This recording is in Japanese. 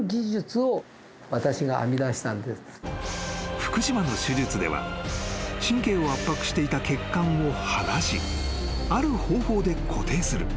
［福島の手術では神経を圧迫していた血管を剥がしある方法で固定する］